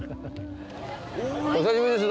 お久しぶりです